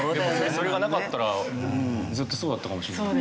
それがなかったらずっとそうだったかもしれない。